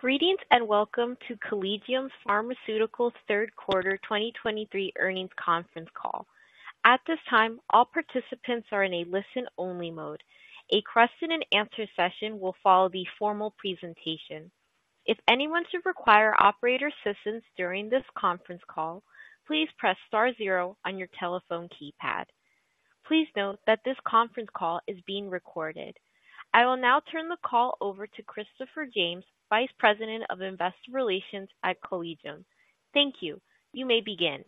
Greetings, and welcome to Collegium Pharmaceutical's third quarter 2023 earnings conference call. At this time, all participants are in a listen-only mode. A question and answer session will follow the formal presentation. If anyone should require operator assistance during this conference call, please press star zero on your telephone keypad. Please note that this conference call is being recorded. I will now turn the call over to Christopher James, Vice President of Investor Relations at Collegium. Thank you. You may begin.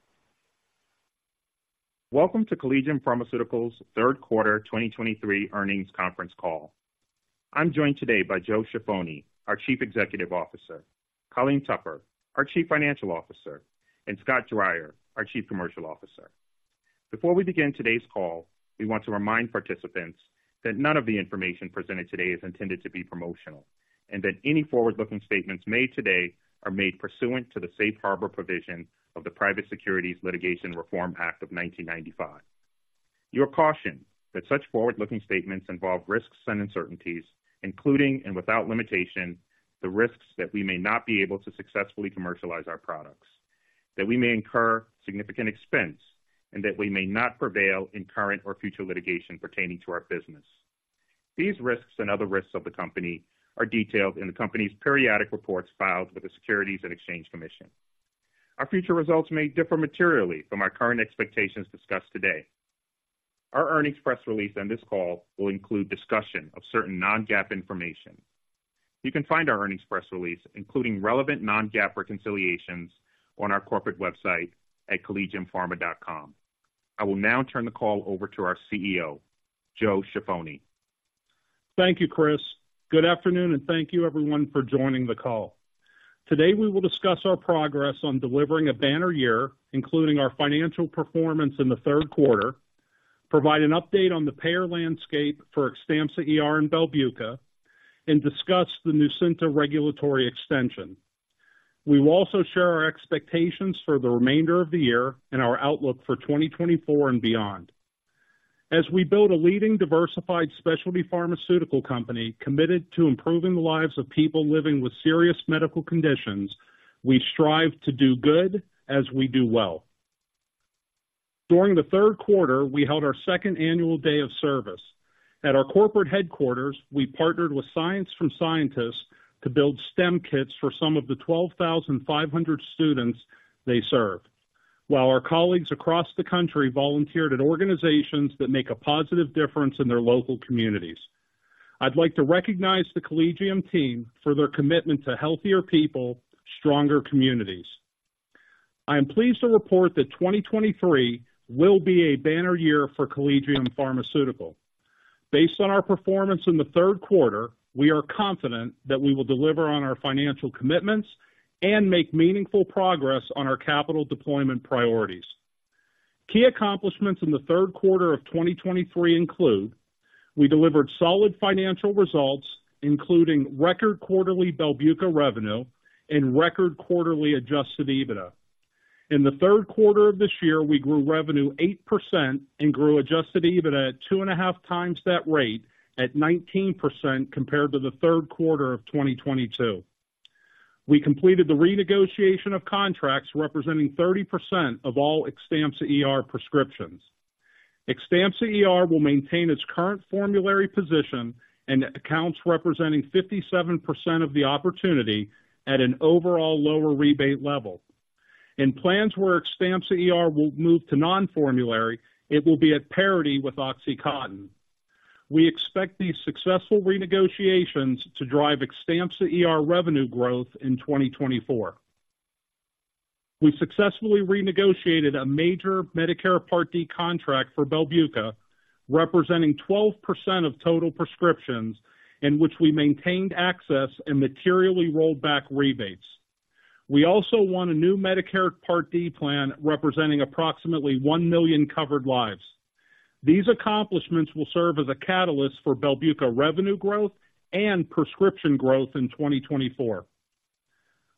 Welcome to Collegium Pharmaceutical's third quarter 2023 earnings conference call. I'm joined today by Joe Ciaffoni, our Chief Executive Officer, Colleen Tupper, our Chief Financial Officer, and Scott Dreyer, our Chief Commercial Officer. Before we begin today's call, we want to remind participants that none of the information presented today is intended to be promotional, and that any forward-looking statements made today are made pursuant to the safe harbor provision of the Private Securities Litigation Reform Act of 1995. You are cautioned that such forward-looking statements involve risks and uncertainties, including, and without limitation, the risks that we may not be able to successfully commercialize our products, that we may incur significant expense and that we may not prevail in current or future litigation pertaining to our business. These risks and other risks of the company are detailed in the company's periodic reports filed with the Securities and Exchange Commission. Our future results may differ materially from our current expectations discussed today. Our earnings press release and this call will include discussion of certain non-GAAP information. You can find our earnings press release, including relevant non-GAAP reconciliations, on our corporate website at collegiumpharma.com. I will now turn the call over to our CEO, Joe Ciaffoni. Thank you, Chris. Good afternoon, and thank you, everyone, for joining the call. Today, we will discuss our progress on delivering a banner year, including our financial performance in the third quarter, provide an update on the payer landscape for Xtampza ER and Belbuca, and discuss the Nucynta regulatory extension. We will also share our expectations for the remainder of the year and our outlook for 2024 and beyond. As we build a leading, diversified specialty pharmaceutical company committed to improving the lives of people living with serious medical conditions, we strive to do good as we do well. During the third quarter, we held our second annual day of service. At our corporate headquarters, we partnered with Science from Scientists to build STEM kits for some of the 12,500 students they serve, while our colleagues across the country volunteered at organizations that make a positive difference in their local communities. I'd like to recognize the Collegium team for their commitment to healthier people, stronger communities. I am pleased to report that 2023 will be a banner year for Collegium Pharmaceutical. Based on our performance in the third quarter, we are confident that we will deliver on our financial commitments and make meaningful progress on our capital deployment priorities. Key accomplishments in the third quarter of 2023 include: We delivered solid financial results, including record quarterly Belbuca revenue and record quarterly adjusted EBITDA. In the third quarter of this year, we grew revenue 8% and grew Adjusted EBITDA at 2.5 times that rate, at 19% compared to the third quarter of 2022. We completed the renegotiation of contracts representing 30% of all Xtampza ER prescriptions. Xtampza ER will maintain its current formulary position and accounts representing 57% of the opportunity at an overall lower rebate level. In plans where Xtampza ER will move to non-formulary, it will be at parity with OxyContin. We expect these successful renegotiations to drive Xtampza ER revenue growth in 2024. We successfully renegotiated a major Medicare Part D contract for Belbuca, representing 12% of total prescriptions, in which we maintained access and materially rolled back rebates. We also won a new Medicare Part D plan, representing approximately 1 million covered lives. These accomplishments will serve as a catalyst for Belbuca revenue growth and prescription growth in 2024.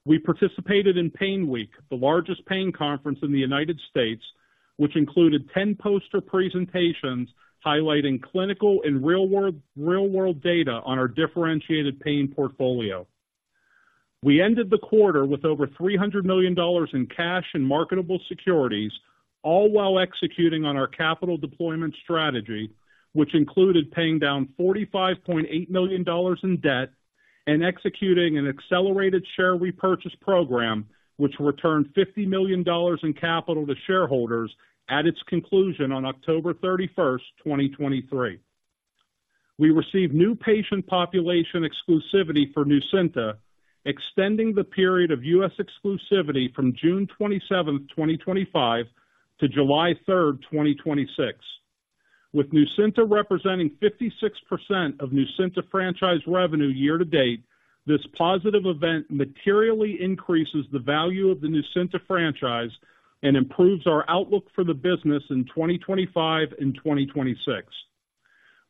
We participated in PAINWeek, the largest pain conference in the United States, which included 10 poster presentations highlighting clinical and real-world data on our differentiated pain portfolio. We ended the quarter with over $300 million in cash and marketable securities, all while executing on our capital deployment strategy, which included paying down $45.8 million in debt and executing an accelerated share repurchase program, which returned $50 million in capital to shareholders at its conclusion on October 31, 2023. We received new patient population exclusivity for Nucynta, extending the period of U.S. exclusivity from June 27, 2025 to July 3, 2026. With Nucynta representing 56% of Nucynta franchise revenue year to date, this positive event materially increases the value of the Nucynta franchise and improves our outlook for the business in 2025 and 2026.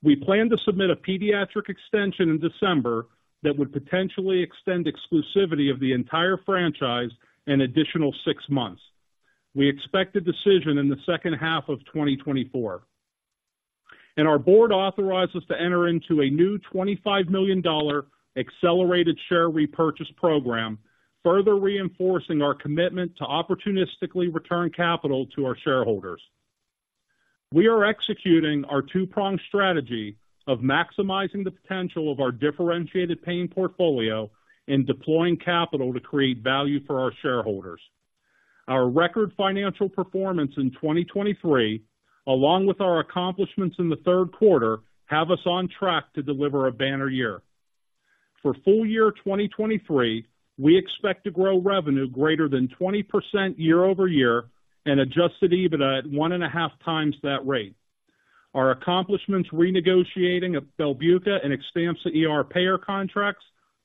We plan to submit a pediatric extension in December that would potentially extend exclusivity of the entire franchise an additional 6 months. We expect a decision in the second half of 2024, and our board authorized us to enter into a new $25 million accelerated share repurchase program, further reinforcing our commitment to opportunistically return capital to our shareholders. We are executing our two-pronged strategy of maximizing the potential of our differentiated pain portfolio and deploying capital to create value for our shareholders. Our record financial performance in 2023, along with our accomplishments in the third quarter, have us on track to deliver a banner year. For full year 2023, we expect to grow revenue greater than 20% year-over-year and Adjusted EBITDA at 1.5 times that rate. Our accomplishments renegotiating of Belbuca and Xtampza ER payer contracts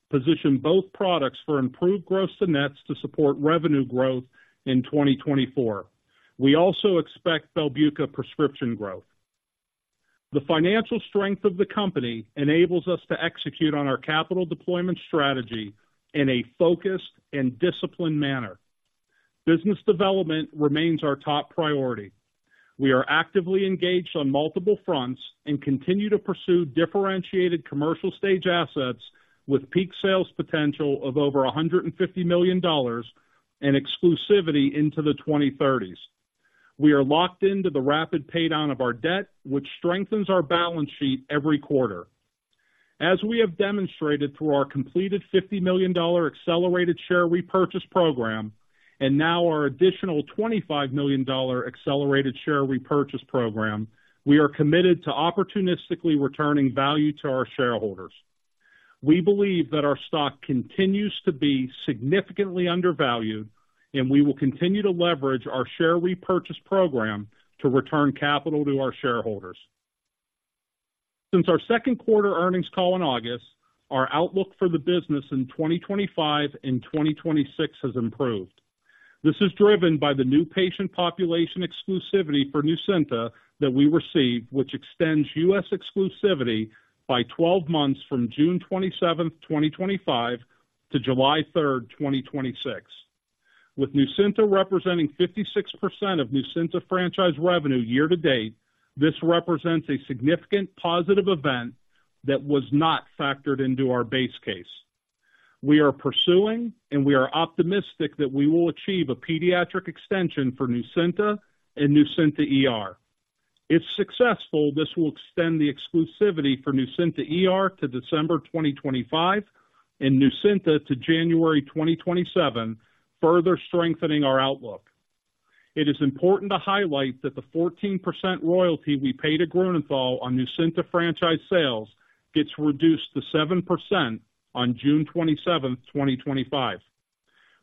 position both products for improved gross-to-net to support revenue growth in 2024. We also expect Belbuca prescription growth. The financial strength of the company enables us to execute on our capital deployment strategy in a focused and disciplined manner. Business development remains our top priority. We are actively engaged on multiple fronts and continue to pursue differentiated commercial stage assets with peak sales potential of over $150 million and exclusivity into the 2030s. We are locked into the rapid paydown of our debt, which strengthens our balance sheet every quarter. As we have demonstrated through our completed $50 million dollar accelerated share repurchase program, and now our additional $25 million dollar accelerated share repurchase program, we are committed to opportunistically returning value to our shareholders. We believe that our stock continues to be significantly undervalued, and we will continue to leverage our share repurchase program to return capital to our shareholders. Since our second quarter earnings call in August, our outlook for the business in 2025 and 2026 has improved. This is driven by the new patient population exclusivity for Nucynta that we received, which extends U.S. exclusivity by 12 months from June 27th, 2025 to July 3rd, 2026. With Nucynta representing 56% of Nucynta franchise revenue year to date, this represents a significant positive event that was not factored into our base case. We are pursuing, and we are optimistic that we will achieve a pediatric extension for Nucynta and Nucynta ER. If successful, this will extend the exclusivity for Nucynta ER to December 2025 and Nucynta to January 2027, further strengthening our outlook. It is important to highlight that the 14% royalty we pay to Grünenthal on Nucynta franchise sales gets reduced to 7% on June 27, 2025.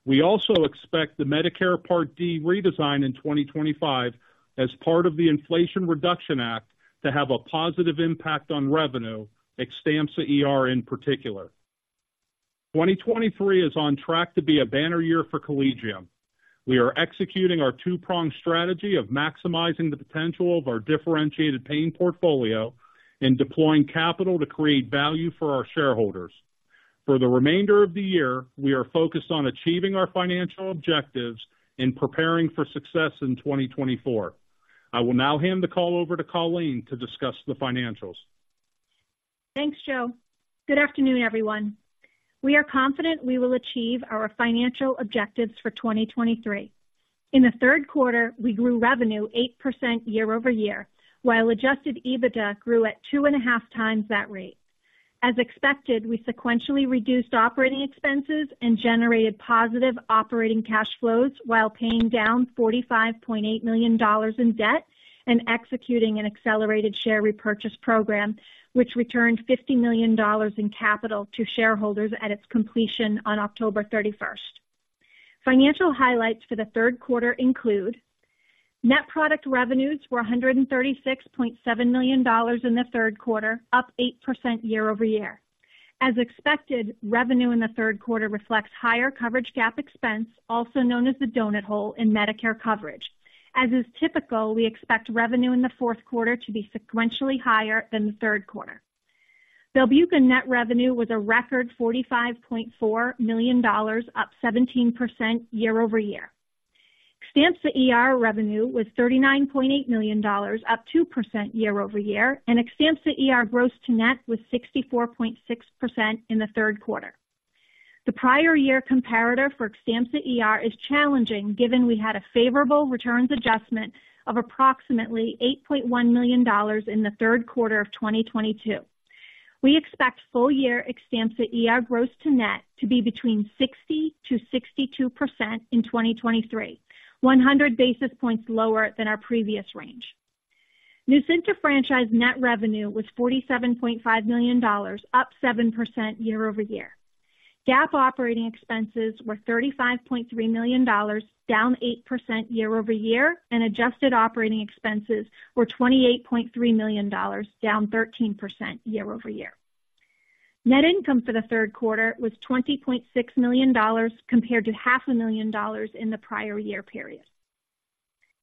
We also expect the Medicare Part D redesign in 2025 as part of the Inflation Reduction Act, to have a positive impact on revenue, Xtampza ER in particular. 2023 is on track to be a banner year for Collegium. We are executing our two-pronged strategy of maximizing the potential of our differentiated pain portfolio and deploying capital to create value for our shareholders. For the remainder of the year, we are focused on achieving our financial objectives and preparing for success in 2024. I will now hand the call over to Colleen to discuss the financials. Thanks, Joe. Good afternoon, everyone. We are confident we will achieve our financial objectives for 2023. In the third quarter, we grew revenue 8% year-over-year, while Adjusted EBITDA grew at 2.5 times that rate. As expected, we sequentially reduced operating expenses and generated positive operating cash flows while paying down $45.8 million in debt and executing an accelerated share repurchase program, which returned $50 million in capital to shareholders at its completion on October 31st. Financial highlights for the third quarter include: net product revenues were $136.7 million in the third quarter, up 8% year-over-year. As expected, revenue in the third quarter reflects higher coverage gap expense, also known as the donut hole in Medicare coverage. As is typical, we expect revenue in the fourth quarter to be sequentially higher than the third quarter. Belbuca net revenue was a record $45.4 million, up 17% year over year. Xtampza ER revenue was $39.8 million, up 2% year over year, and Xtampza ER gross-to-net was 64.6% in the third quarter. The prior year comparator for Xtampza ER is challenging, given we had a favorable returns adjustment of approximately $8.1 million in the third quarter of 2022. We expect full-year Xtampza ER gross-to-net to be between 60%-62% in 2023, 100 basis points lower than our previous range. Nucynta franchise net revenue was $47.5 million, up 7% year-over-year. GAAP operating expenses were $35.3 million, down 8% year-over-year, and adjusted operating expenses were $28.3 million, down 13% year-over-year. Net income for the third quarter was $20.6 million, compared to $500,000 in the prior year period.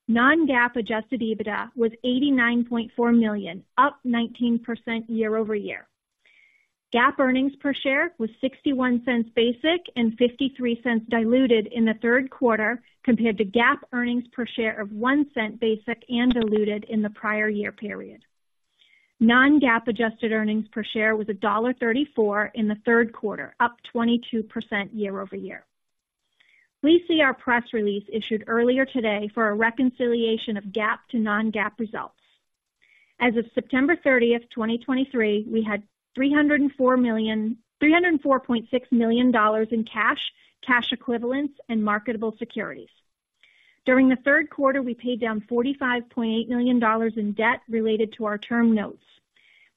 Non-GAAP adjusted EBITDA was $89.4 million, up 19% year-over-year. GAAP earnings per share was $0.61 basic and $0.53 diluted in the third quarter, compared to GAAP earnings per share of $0.01 basic and diluted in the prior year period. Non-GAAP adjusted earnings per share was $1.34 in the third quarter, up 22% year-over-year. Please see our press release issued earlier today for a reconciliation of GAAP to non-GAAP results. As of September 30, 2023, we had $304.6 million in cash, cash equivalents and marketable securities. During the third quarter, we paid down $45.8 million in debt related to our term notes.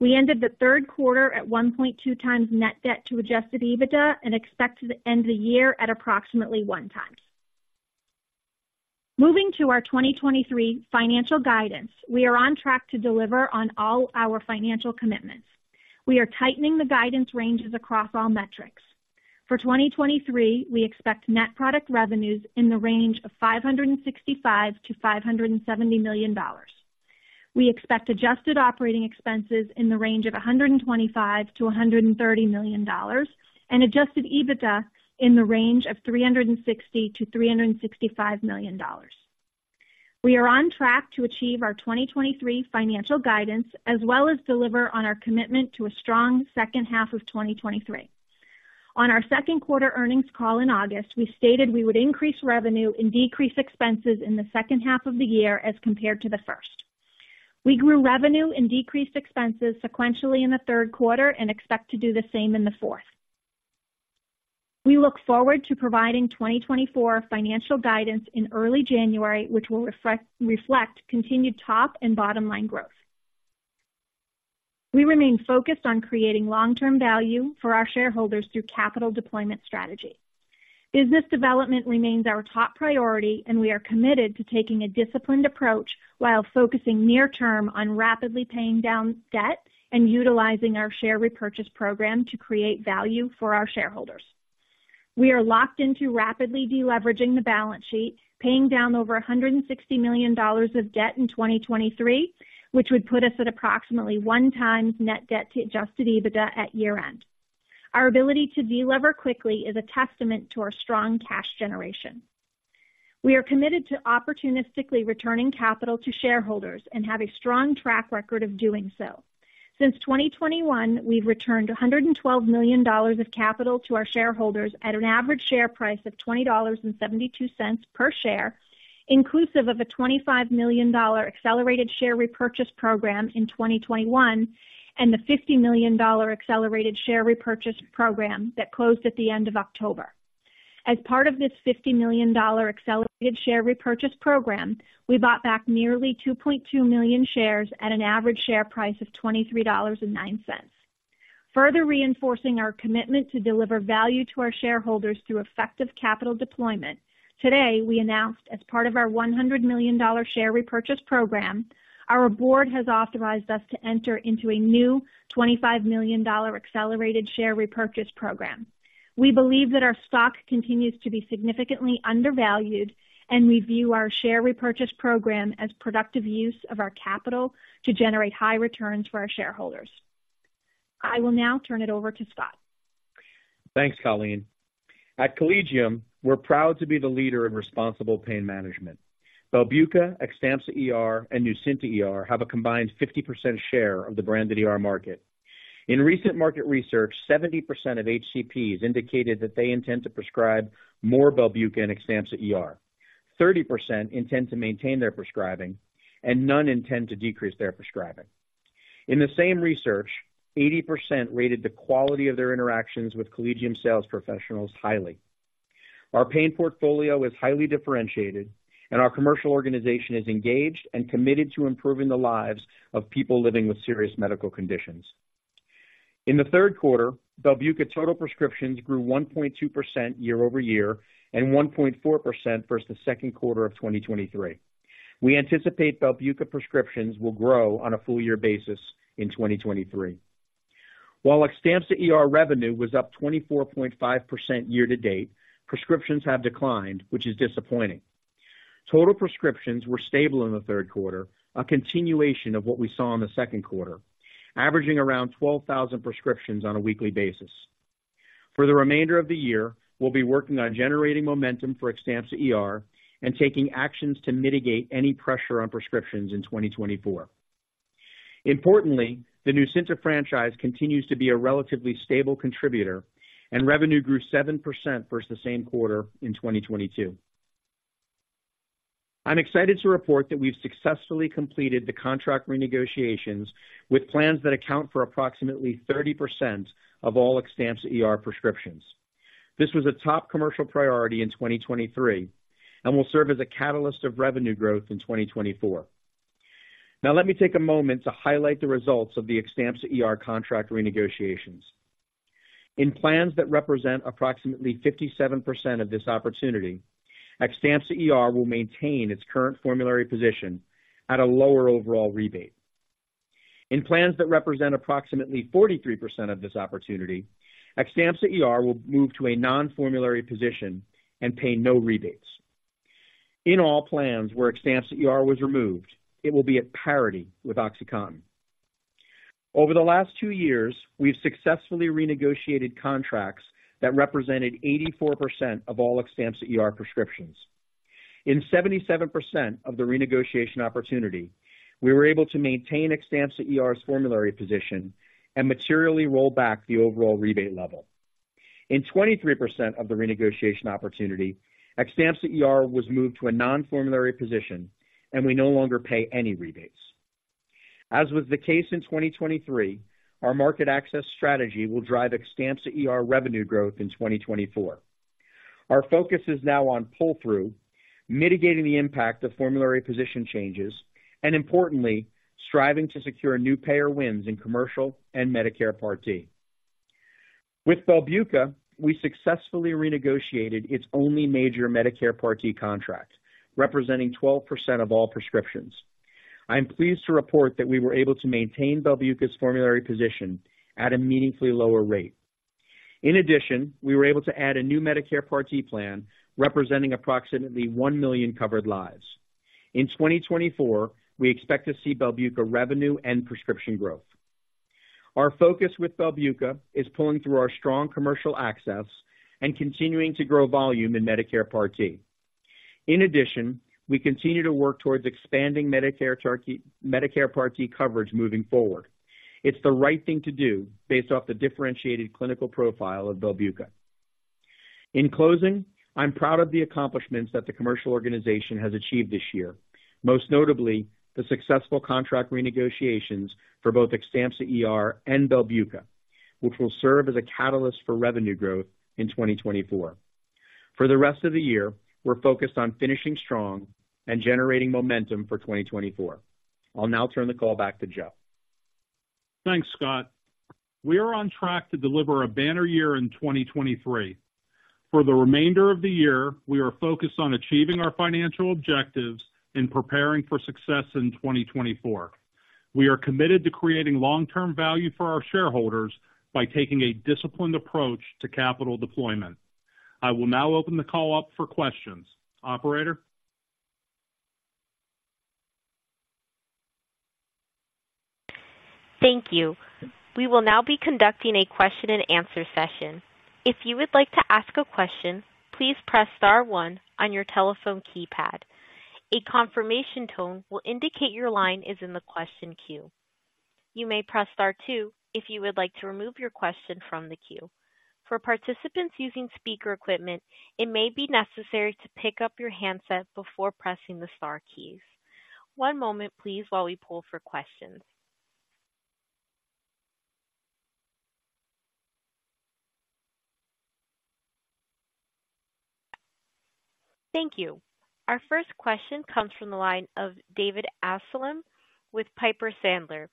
We ended the third quarter at 1.2x net debt to adjusted EBITDA and expect to end the year at approximately 1x. Moving to our 2023 financial guidance, we are on track to deliver on all our financial commitments. We are tightening the guidance ranges across all metrics. For 2023, we expect net product revenues in the range of $565 million-$570 million. We expect adjusted operating expenses in the range of $125 million-$130 million and adjusted EBITDA in the range of $360 million-$365 million. We are on track to achieve our 2023 financial guidance, as well as deliver on our commitment to a strong second half of 2023. On our second quarter earnings call in August, we stated we would increase revenue and decrease expenses in the second half of the year as compared to the first. We grew revenue and decreased expenses sequentially in the third quarter and expect to do the same in the fourth. We look forward to providing 2024 financial guidance in early January, which will reflect, reflect continued top and bottom line growth. We remain focused on creating long-term value for our shareholders through capital deployment strategy. Business development remains our top priority, and we are committed to taking a disciplined approach while focusing near term on rapidly paying down debt and utilizing our share repurchase program to create value for our shareholders. We are locked into rapidly deleveraging the balance sheet, paying down over $160 million of debt in 2023, which would put us at approximately 1x net debt to Adjusted EBITDA at year-end. Our ability to deliver quickly is a testament to our strong cash generation. We are committed to opportunistically returning capital to shareholders and have a strong track record of doing so. Since 2021, we've returned $112 million of capital to our shareholders at an average share price of $20.72 per share, inclusive of a $25 million accelerated share repurchase program in 2021 and the $50 million accelerated share repurchase program that closed at the end of October. As part of this $50 million accelerated share repurchase program, we bought back nearly 2.2 million shares at an average share price of $23.09. Further reinforcing our commitment to deliver value to our shareholders through effective capital deployment, today, we announced, as part of our $100 million share repurchase program, our board has authorized us to enter into a new $25 million accelerated share repurchase program. We believe that our stock continues to be significantly undervalued, and we view our share repurchase program as productive use of our capital to generate high returns for our shareholders. I will now turn it over to Scott. Thanks, Colleen. At Collegium, we're proud to be the leader in responsible pain management. Belbuca, Xtampza ER, and Nucynta ER have a combined 50% share of the branded ER market. In recent market research, 70% of HCPs indicated that they intend to prescribe more Belbuca and Xtampza ER, 30% intend to maintain their prescribing, and none intend to decrease their prescribing. In the same research, 80% rated the quality of their interactions with Collegium sales professionals highly. Our pain portfolio is highly differentiated, and our commercial organization is engaged and committed to improving the lives of people living with serious medical conditions. In the third quarter, Belbuca total prescriptions grew 1.2% year-over-year and 1.4% versus the second quarter of 2023. We anticipate Belbuca prescriptions will grow on a full year basis in 2023. While Xtampza ER revenue was up 24.5% year to date, prescriptions have declined, which is disappointing. Total prescriptions were stable in the third quarter, a continuation of what we saw in the second quarter, averaging around 12,000 prescriptions on a weekly basis. For the remainder of the year, we'll be working on generating momentum for Xtampza ER and taking actions to mitigate any pressure on prescriptions in 2024. Importantly, the Nucynta franchise continues to be a relatively stable contributor, and revenue grew 7% versus the same quarter in 2022. I'm excited to report that we've successfully completed the contract renegotiations with plans that account for approximately 30% of all Xtampza ER prescriptions. This was a top commercial priority in 2023 and will serve as a catalyst of revenue growth in 2024. Now, let me take a moment to highlight the results of the Xtampza ER contract renegotiations. In plans that represent approximately 57% of this opportunity, Xtampza ER will maintain its current formulary position at a lower overall rebate. In plans that represent approximately 43% of this opportunity, Xtampza ER will move to a non-formulary position and pay no rebates. In all plans where Xtampza ER was removed, it will be at parity with OxyContin. Over the last 2 years, we've successfully renegotiated contracts that represented 84% of all Xtampza ER prescriptions. In 77% of the renegotiation opportunity, we were able to maintain Xtampza ER's formulary position and materially roll back the overall rebate level. In 23% of the renegotiation opportunity, Xtampza ER was moved to a non-formulary position, and we no longer pay any rebates. As was the case in 2023, our market access strategy will drive Xtampza ER revenue growth in 2024. Our focus is now on pull-through, mitigating the impact of formulary position changes, and importantly, striving to secure new payer wins in commercial and Medicare Part D. With Belbuca, we successfully renegotiated its only major Medicare Part D contract, representing 12% of all prescriptions. I am pleased to report that we were able to maintain Belbuca's formulary position at a meaningfully lower rate. In addition, we were able to add a new Medicare Part D plan, representing approximately 1 million covered lives. In 2024, we expect to see Belbuca revenue and prescription growth. Our focus with Belbuca is pulling through our strong commercial access and continuing to grow volume in Medicare Part D. In addition, we continue to work towards expanding Medicare Part D coverage moving forward. It's the right thing to do based off the differentiated clinical profile of Belbuca. In closing, I'm proud of the accomplishments that the commercial organization has achieved this year, most notably the successful contract renegotiations for both Xtampza ER and Belbuca, which will serve as a catalyst for revenue growth in 2024. For the rest of the year, we're focused on finishing strong and generating momentum for 2024. I'll now turn the call back to Joe. Thanks, Scott. We are on track to deliver a banner year in 2023. For the remainder of the year, we are focused on achieving our financial objectives and preparing for success in 2024. We are committed to creating long-term value for our shareholders by taking a disciplined approach to capital deployment. I will now open the call up for questions. Operator? Thank you. We will now be conducting a question-and-answer session. If you would like to ask a question, please press star one on your telephone keypad. A confirmation tone will indicate your line is in the question queue. You may press star two if you would like to remove your question from the queue. For participants using speaker equipment, it may be necessary to pick up your handset before pressing the star keys. One moment, please, while we pull for questions. Thank you. Our first question comes from the line of David Amsellem with Piper Sandler.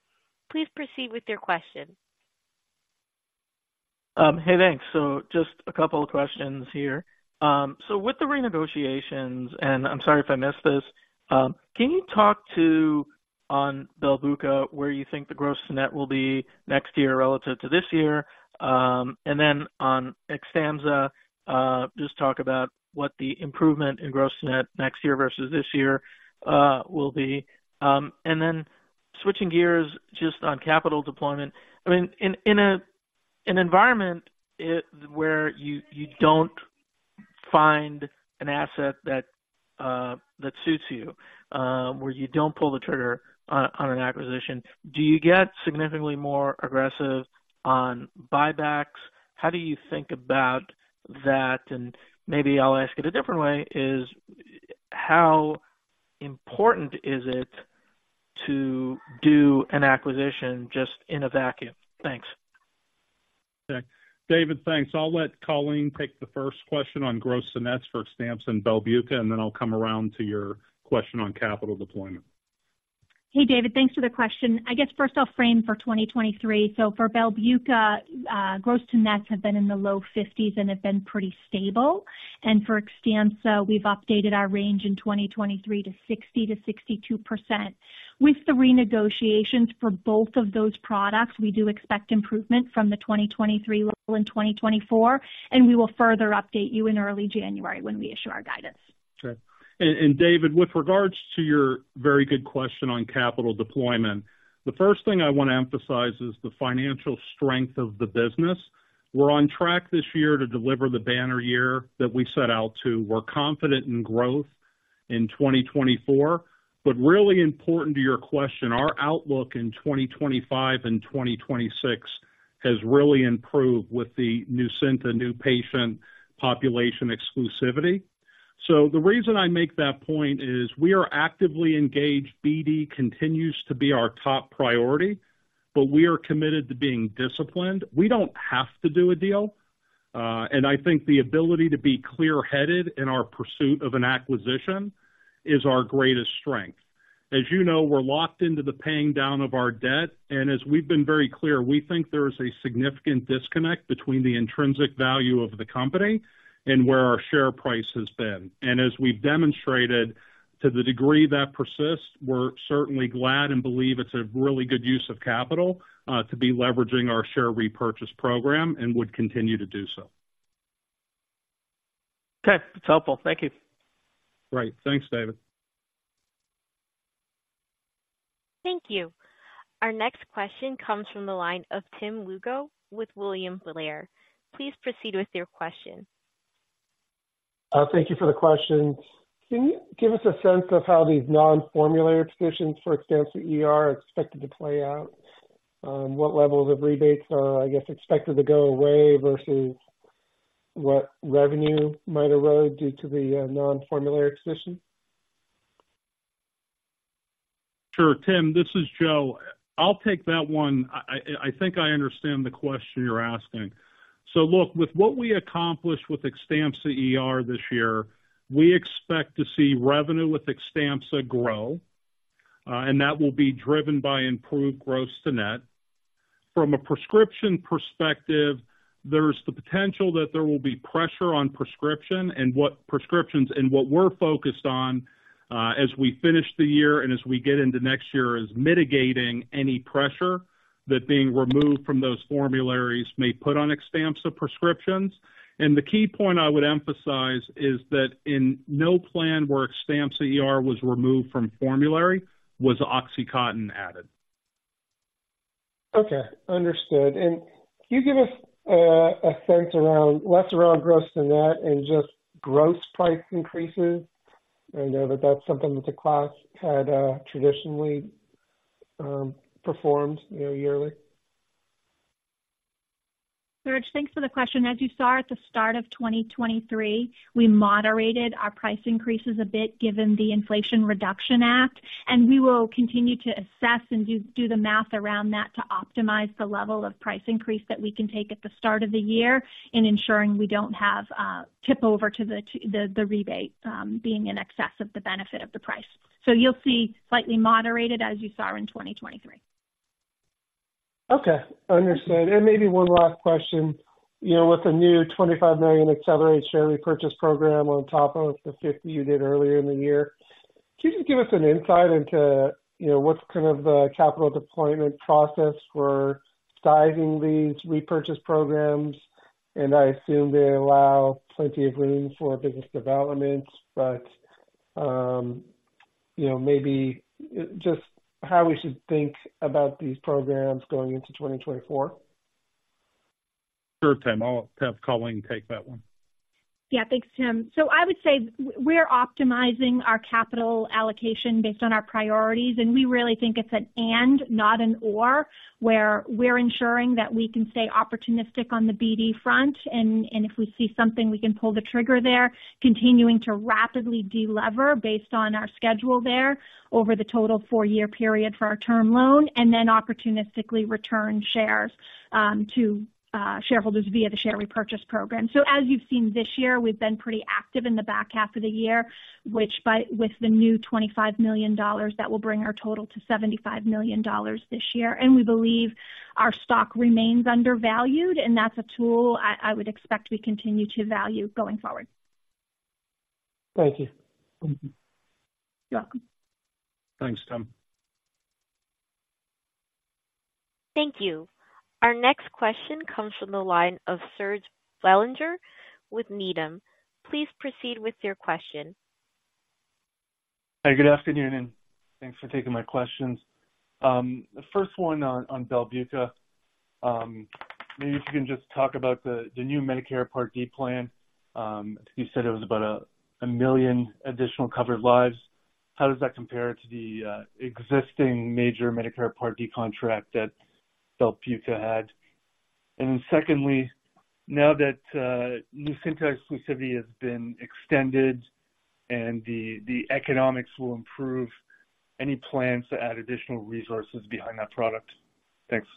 Please proceed with your question. Hey, thanks. So just a couple of questions here. So with the renegotiations, and I'm sorry if I missed this, can you talk to, on Belbuca, where you think the gross-to-net will be next year relative to this year? And then on Xtampza, just talk about what the improvement in gross-to-net next year versus this year will be. And then switching gears, just on capital deployment, I mean, in an environment where you don't find an asset that suits you, where you don't pull the trigger on an acquisition, do you get significantly more aggressive on buybacks? How do you think about that? And maybe I'll ask it a different way, is how important is it to do an acquisition just in a vacuum? Thanks. Okay, David, thanks. I'll let Colleen take the first question on gross-to-net for Xtampza and Belbuca, and then I'll come around to your question on capital deployment. Hey, David, thanks for the question. I guess first I'll frame for 2023. So for Belbuca, gross-to-nets have been in the low 50s and have been pretty stable. And for Xtampza, we've updated our range in 2023 to 60%-62%. With the renegotiations for both of those products, we do expect improvement from the 2023 level in 2024, and we will further update you in early January when we issue our guidance. Okay. And, David, with regards to your very good question on capital deployment, the first thing I want to emphasize is the financial strength of the business. We're on track this year to deliver the banner year that we set out to. We're confident in growth in 2024. But really important to your question, our outlook in 2025 and 2026 has really improved with the Nucynta New Patient Population Exclusivity. So the reason I make that point is we are actively engaged. BD continues to be our top priority, but we are committed to being disciplined. We don't have to do a deal, and I think the ability to be clear-headed in our pursuit of an acquisition is our greatest strength. As you know, we're locked into the paying down of our debt, and as we've been very clear, we think there is a significant disconnect between the intrinsic value of the company and where our share price has been. And as we've demonstrated, to the degree that persists, we're certainly glad and believe it's a really good use of capital to be leveraging our share repurchase program and would continue to do so. Okay, that's helpful. Thank you. Great. Thanks, David. Thank you. Our next question comes from the line of Tim Lugo with William Blair. Please proceed with your question. Thank you for the question. Can you give us a sense of how these non-formulary positions for Xtampza ER are expected to play out? What levels of rebates are, I guess, expected to go away versus what revenue might erode due to the non-formulary position? Sure. Tim, this is Joe. I'll take that one. I think I understand the question you're asking. So look, with what we accomplished with Xtampza ER this year, we expect to see revenue with Xtampza grow, and that will be driven by improved gross to net. From a prescription perspective, there's the potential that there will be pressure on prescription and what prescriptions and what we're focused on, as we finish the year and as we get into next year, is mitigating any pressure that being removed from those formularies may put on Xtampza prescriptions. And the key point I would emphasize is that in no plan where Xtampza ER was removed from formulary was OxyContin added. Okay, understood. Can you give us a sense around, less around gross-to-net and just gross price increases? I know that that's something that the class had traditionally, you know, performed yearly. Sure, thanks for the question. As you saw at the start of 2023, we moderated our price increases a bit given the Inflation Reduction Act, and we will continue to assess and do the math around that to optimize the level of price increase that we can take at the start of the year in ensuring we don't have tip over to the rebate being in excess of the benefit of the price. So you'll see slightly moderated, as you saw in 2023. Okay, understood. And maybe one last question. You know, with the new $25 million accelerated share repurchase program on top of the $50 million you did earlier in the year, can you just give us an insight into, you know, what's kind of the capital deployment process for sizing these repurchase programs? And I assume they allow plenty of room for business development, but, you know, maybe just how we should think about these programs going into 2024. Sure, Tim. I'll have Colleen take that one. Yeah, thanks, Tim. So I would say we're optimizing our capital allocation based on our priorities, and we really think it's an and, not an or, where we're ensuring that we can stay opportunistic on the BD front, and if we see something, we can pull the trigger there. Continuing to rapidly de-lever based on our schedule there over the total four-year period for our term loan, and then opportunistically return shares to shareholders via the share repurchase program. So as you've seen this year, we've been pretty active in the back half of the year, which, with the new $25 million, that will bring our total to $75 million this year. And we believe our stock remains undervalued, and that's a tool I would expect we continue to value going forward. Thank you. You're welcome. Thanks, Tim. Thank you. Our next question comes from the line of Serge Belanger with Needham. Please proceed with your question. Hi, good afternoon, and thanks for taking my questions. The first one on, on Belbuca. Maybe if you can just talk about the, the new Medicare Part D plan. I think you said it was about 1 million additional covered lives. How does that compare to the, existing major Medicare Part D contract that Belbuca had? And then secondly, now that, Nucynta exclusivity has been extended and the, the economics will improve, any plans to add additional resources behind that product? Thanks.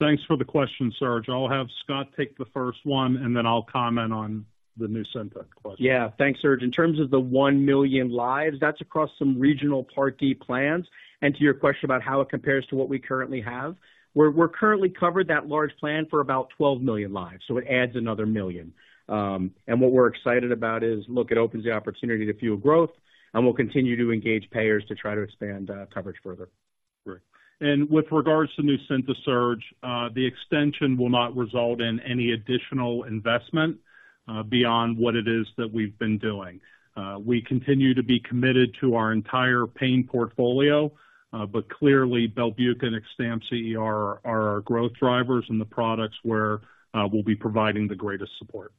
Thanks for the question, Serge. I'll have Scott take the first one, and then I'll comment on the Nucynta question. Yeah. Thanks, Serge. In terms of the 1 million lives, that's across some regional Part D plans. And to your question about how it compares to what we currently have, we're currently covered that large plan for about 12 million lives, so it adds another million. And what we're excited about is, look, it opens the opportunity to fuel growth, and we'll continue to engage payers to try to expand coverage further. Great. With regards to Nucynta, Serge, the extension will not result in any additional investment, beyond what it is that we've been doing. We continue to be committed to our entire pain portfolio, but clearly, Belbuca and Xtampza ER are our growth drivers and the products where, we'll be providing the greatest support.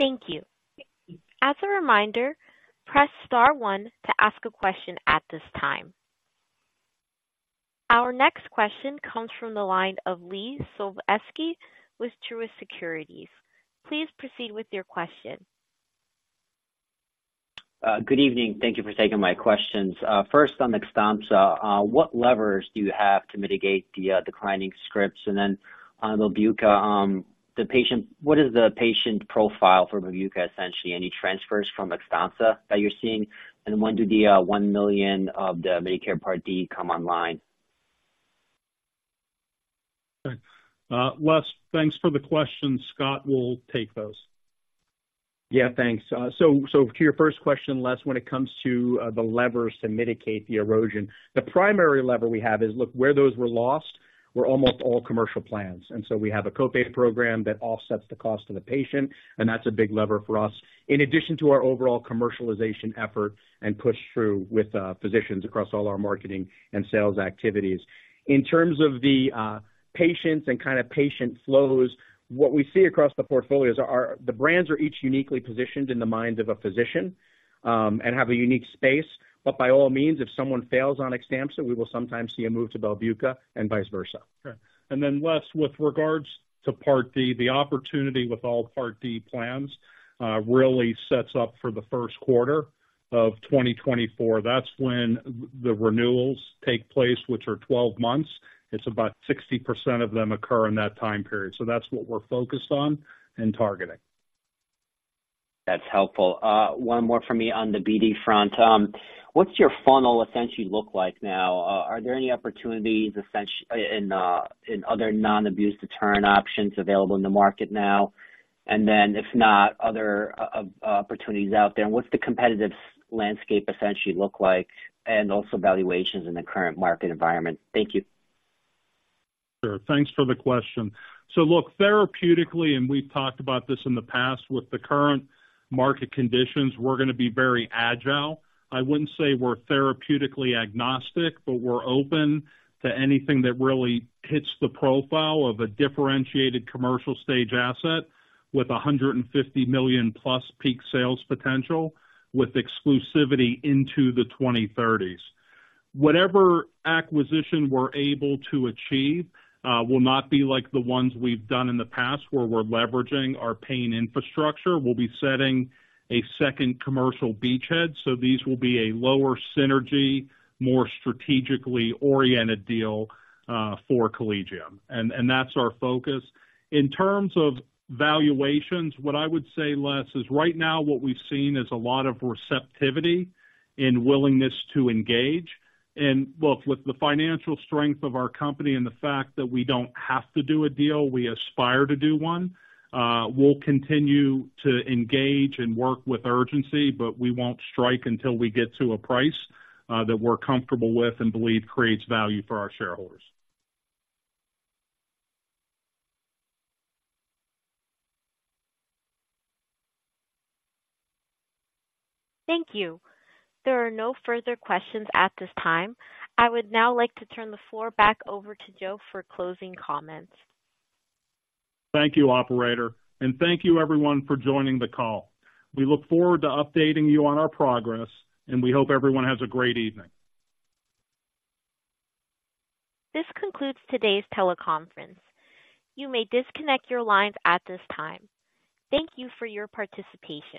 Thank you. As a reminder, press star one to ask a question at this time. Our next question comes from the line of Les Sulewski with Truist Securities. Please proceed with your question. Good evening. Thank you for taking my questions. First on Xtampza, what levers do you have to mitigate the declining scripts? And then on Belbuca,... the patient, what is the patient profile for Belbuca, essentially? Any transfers from Xtampza that you're seeing? And when do the 1 million of the Medicare Part D come online? Okay. Les, thanks for the question. Scott will take those. Yeah, thanks. So to your first question, Les, when it comes to the levers to mitigate the erosion, the primary lever we have is, look, where those were lost, were almost all commercial plans. And so we have a co-pay program that offsets the cost to the patient, and that's a big lever for us, in addition to our overall commercialization effort and push through with physicians across all our marketing and sales activities. In terms of the patients and kind of patient flows, what we see across the portfolios are the brands are each uniquely positioned in the mind of a physician, and have a unique space. But by all means, if someone fails on Xtampza, we will sometimes see a move to Belbuca and vice versa. Okay. And then, Les, with regards to Part D, the opportunity with all Part D plans really sets up for the first quarter of 2024. That's when the renewals take place, which are 12 months. It's about 60% of them occur in that time period. So that's what we're focused on and targeting. That's helpful. One more for me on the BD front. What's your funnel essentially look like now? Are there any opportunities, essentially, in, in other non-abuse deterrent options available in the market now? And then, if not, other, opportunities out there, and what's the competitive landscape essentially look like, and also valuations in the current market environment? Thank you. Sure. Thanks for the question. So look, therapeutically, and we've talked about this in the past, with the current market conditions, we're gonna be very agile. I wouldn't say we're therapeutically agnostic, but we're open to anything that really hits the profile of a differentiated commercial stage asset with a $150 million-plus peak sales potential, with exclusivity into the 2030s. Whatever acquisition we're able to achieve will not be like the ones we've done in the past, where we're leveraging our pain infrastructure. We'll be setting a second commercial beachhead, so these will be a lower synergy, more strategically oriented deal for Collegium, and, and that's our focus. In terms of valuations, what I would say, Les, is right now, what we've seen is a lot of receptivity and willingness to engage. Look, with the financial strength of our company and the fact that we don't have to do a deal, we aspire to do one, we'll continue to engage and work with urgency, but we won't strike until we get to a price that we're comfortable with and believe creates value for our shareholders. Thank you. There are no further questions at this time. I would now like to turn the floor back over to Joe for closing comments. Thank you, operator, and thank you everyone for joining the call. We look forward to updating you on our progress, and we hope everyone has a great evening. This concludes today's teleconference. You may disconnect your lines at this time. Thank you for your participation.